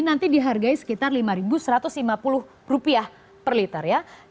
nanti dihargai sekitar rp lima satu ratus lima puluh per liter ya